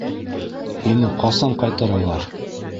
Һине ҡасан ҡайтаралар?